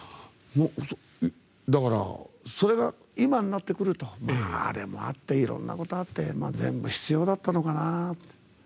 だから、それが今になってくるとあれもあっていろんなことあって全部、必要だったのかな。